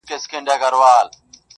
o خواره زه وم، په خوار کلي واده وم.